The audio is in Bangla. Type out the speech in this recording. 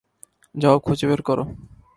যাও খুঁজে বের করো।